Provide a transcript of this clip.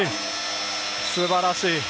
素晴らしい。